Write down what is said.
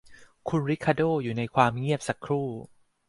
คุณริคาร์โด้อยู่ในความเงียบสักครู่